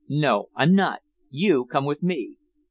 "No, I'm not. You come with me."